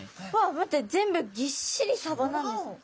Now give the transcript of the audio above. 待って全部ぎっしりサバなんですね。